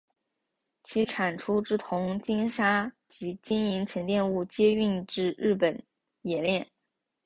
其产出之铜精砂及金银沉淀物皆运至日本冶炼。